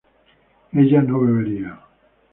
ella no bebería